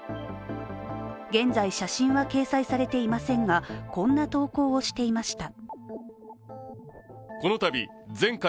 現在、写真は掲載されていませんがこんな投稿をしていました。